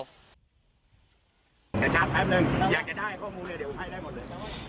เดี๋ยวชอบแป๊บหนึ่งอยากจะได้ข้อมูลเรียนเดี๋ยวให้ได้หมดเลย